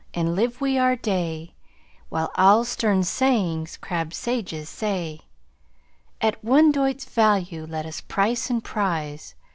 and live we our day, While all stern sayings crabbed sages say, At one doit's value let us price and prize!